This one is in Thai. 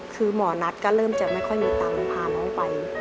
คือหมอนัทก็เริ่มจะไม่ค่อยมีตังค์พาน้องไป